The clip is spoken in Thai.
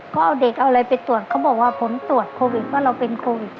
ก็เอาเด็กเอาอะไรไปตรวจเขาบอกว่าผลตรวจโควิดว่าเราเป็นโควิด